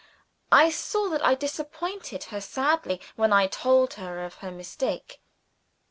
I saw that I disappointed her sadly when I told her of her mistake.